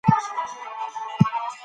نتیجې د څیړنې پایله دي.